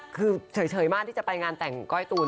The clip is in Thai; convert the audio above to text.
เพราะว่าเฉยมากที่จะไปงานแต่งก้อยก้อยตูน